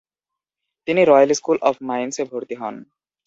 তিনি royal school of মাইনসে ভর্তি হন।